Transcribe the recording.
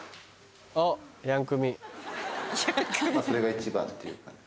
それが一番っていう。